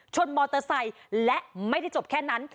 มอเตอร์ไซค์และไม่ได้จบแค่นั้น